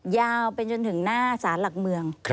ยาวไปจนถึงหน้าศาลหลักเมือง